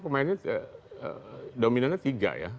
pemainnya dominannya tiga ya